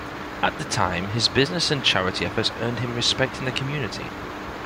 At the time, his business and charity efforts earned him respect in the community.